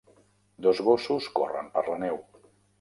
Dos gossos corren per la neu.